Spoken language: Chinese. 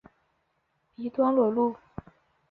鼻端裸露。